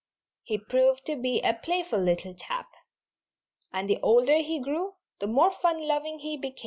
He proved to be a playful little chap. And the older he grew the more fun loving he became.